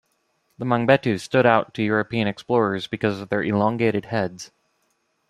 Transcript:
The Mangbetu stood out to European explorers because of their elongated heads.